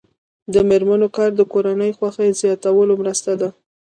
د میرمنو کار د کورنۍ خوښۍ زیاتولو مرسته ده.